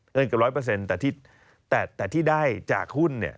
เงินเกือบร้อยเปอร์เซ็นต์แต่ที่ได้จากหุ้นเนี่ย